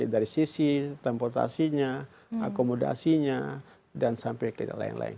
dari sisi transportasinya akomodasinya dan sampai ke lain lain